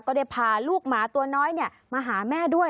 ก็ได้พาลูกหมาตัวน้อยมาหาแม่ด้วย